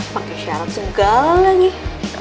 pakai syarat segala nih